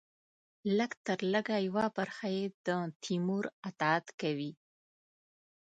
لږترلږه یوه برخه یې د تیمور اطاعت کوي.